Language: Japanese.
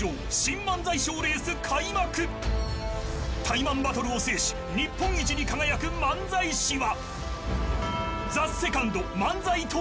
タイマンバトルを制し日本一に輝く漫才師は？